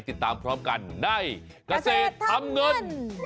ติดตามพร้อมกันในเกษตรทำเงิน